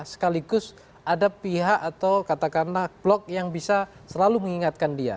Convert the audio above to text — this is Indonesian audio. sekaligus ada pihak atau katakanlah blok yang bisa selalu mengingatkan dia